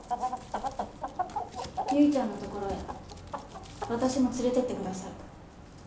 唯ちゃんの所へ私も連れてってください。